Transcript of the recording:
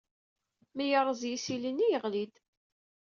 Mi yerreẓ yisili-nni, yeɣli-d.